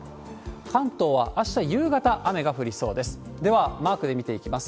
関東はあした夕方、雨が降りそうです。